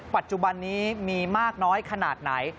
ปัจจุบันนี้มีมากน้อยขนาดไหน